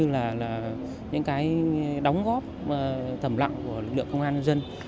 và những cái đóng góp thẩm lặng của lực lượng công an dân